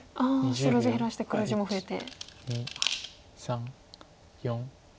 白地減らして黒地も増えて。